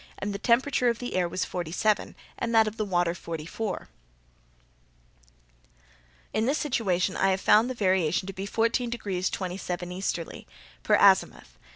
and the temperature of the air was forty seven, and that of the water forty four. In this situation I found the variation to be 14 degrees 27' easterly, per azimuth....